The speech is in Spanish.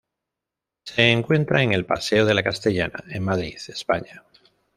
Se encuentra en el Paseo de la Castellana, en Madrid, España.